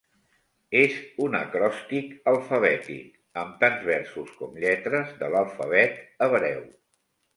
És un acròstic alfabètic, amb tants versos com lletres de l'alfabet hebreu.